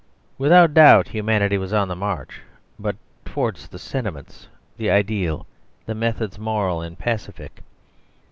Without doubt Humanity was on the march, but towards the sentiments, the ideal, the methods moral and pacific.